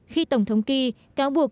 khi tổng thống kỳ cáo buộc